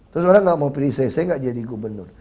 terus orang gak mau pilih saya saya nggak jadi gubernur